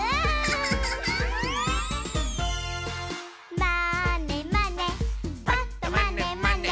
「まーねまねぱっとまねまね」